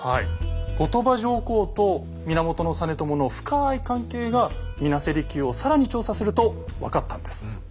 後鳥羽上皇と源実朝の深い関係が水無瀬離宮を更に調査すると分かったんです。